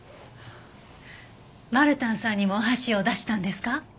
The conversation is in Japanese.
マルタンさんにもお箸を出したんですか？